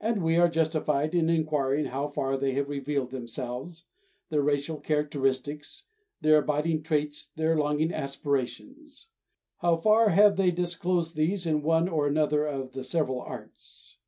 And we are justified in inquiring how far they have revealed themselves, their racial characteristics, their abiding traits, their longing aspirations, how far have they disclosed these in one or another of the several arts.